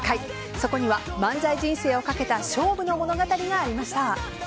そこには漫才人生をかけた勝負の物語がありました。